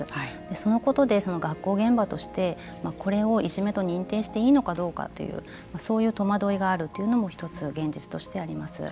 そのことで学校現場としてこれをいじめと認定していいのかどうかというそういう戸惑いがあるというのも１つ現実としてあります。